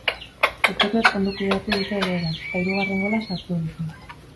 Etxekoek ondo kudeatu dute egoera, eta hirugarren gola sartu dute.